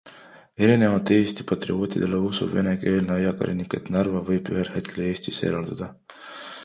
Erinevalt Eesti patriootidele usub venekeelne ajakirjanik, et Narva võib ühel hetkel Eestist eralduda.